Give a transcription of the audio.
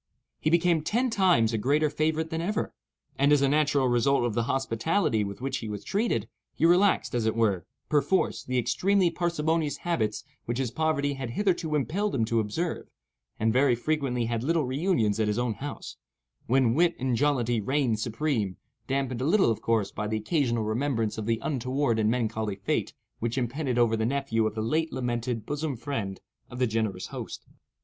He became ten times a greater favorite than ever, and, as a natural result of the hospitality with which he was treated, he relaxed, as it were, perforce, the extremely parsimonious habits which his poverty had hitherto impelled him to observe, and very frequently had little reunions at his own house, when wit and jollity reigned supreme—dampened a little, of course, by the occasional remembrance of the untoward and melancholy fate which impended over the nephew of the late lamented bosom friend of the generous host.